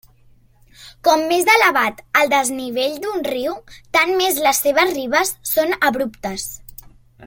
Com més elevat el desnivell d'un riu, tant més les seves ribes són abruptes.